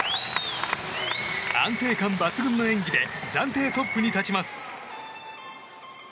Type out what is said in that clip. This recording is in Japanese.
安定感抜群の演技で暫定トップに立ちます。